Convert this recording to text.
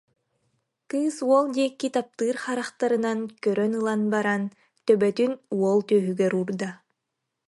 Кыыс уол диэки таптыыр харахтарынан көрөн ылан баран, төбөтүн уол түөһүгэр уурда